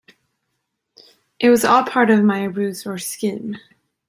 It was all part of my ruse or scheme.